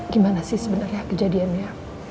gimana sih sebenernya kejadiannya